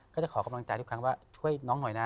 ก็จะขอกำลังใจทุกครั้งว่าช่วยน้องหน่อยนะ